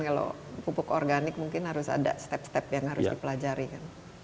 kalau pupuk organik mungkin harus ada step step yang harus dipelajari kan